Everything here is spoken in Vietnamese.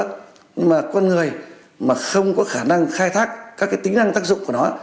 nhưng mà con người mà không có khả năng khai thác các cái tính năng tác dụng của nó